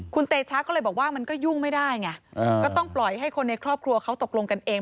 คุณเตชะก็เลยบอกว่ามันก็ยุ่งไม่ได้ไงก็ต้องปล่อยให้คนในครอบครัวเขาตกลงกันเอง